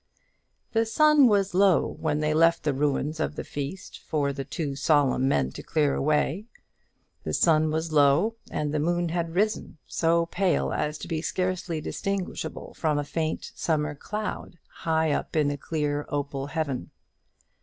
The sun was low when they left the ruins of the feast for the two solemn men to clear away. The sun was low, and the moon had risen, so pale as to be scarcely distinguishable from a faint summer cloud high up in the clear opal heaven.